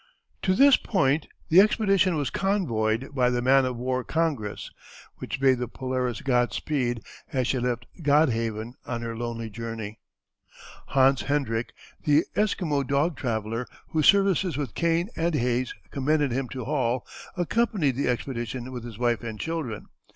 To this point the expedition was convoyed by the man of war Congress, which bade the Polaris Godspeed as she left Godhaven on her lonely journey. Hans Hendrick, the Esquimau dog traveller, whose services with Kane and Hayes commended him to Hall, accompanied the expedition with his wife and children.